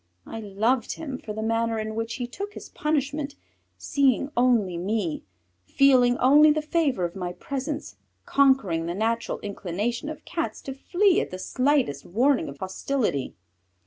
I loved him for the manner in which he took his punishment, seeing only me, feeling only the favour of my presence, conquering the natural inclination of Cats to flee at the slightest warning of hostility.